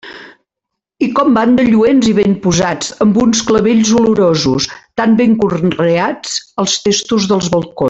I com van de lluents i ben posats amb uns clavells olorosos, tan ben conreats als testos dels balcons.